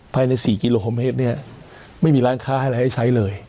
ภายใน๔กิโลเมตรไม่มีร้านค้าให้ใช้เลย